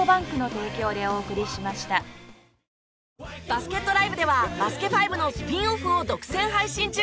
バスケットＬＩＶＥでは『バスケ☆ＦＩＶＥ』のスピンオフを独占配信中。